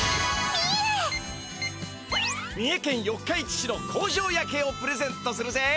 三重県四日市市の工場夜けいをプレゼントするぜ。